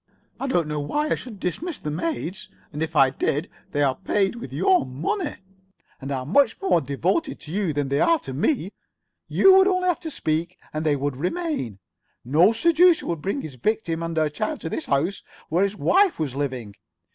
I do not see why I should dismiss the maids, and if I did they are paid with your money, and are much more devoted to you than they are to me. You would only have to speak and they would remain. No seducer would bring his victim and her child to the house where his wife was living.